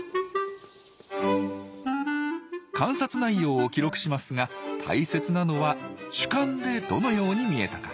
観察内容を記録しますが大切なのは主観でどのように見えたか。